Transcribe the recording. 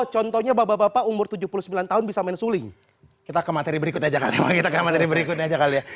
contohnya bapak bapak umur tujuh puluh sembilan tahun bisa main suling kita ke materi berikutnya aja kali ya